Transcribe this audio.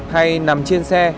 hay nằm trên xe